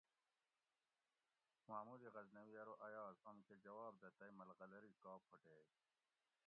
محمود غزنوی ارو ایاز اوم کہ جواب دہ تئ ملغلری کا پھوٹیگ